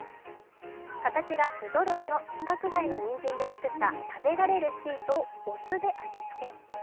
形が不ぞろいの規格外のにんじんで作った食べられるシートをお酢で味付け。